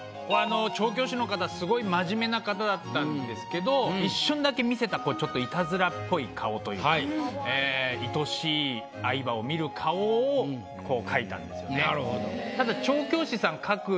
調教師の方すごい真面目な方だったんですけど一瞬だけ見せたちょっといとしい愛馬を見る顔を描いたんですよね。